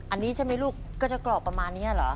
อันนี้ใช่ไหมลูกก็จะกรอบประมาณนี้เหรอ